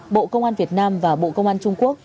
bộ công an việt nam và bộ công an trung quốc